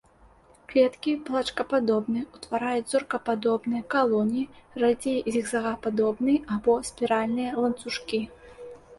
Клеткі палачкападобныя, утвараюць зоркападобныя калоніі, радзей зігзагападобныя або спіральныя ланцужкі.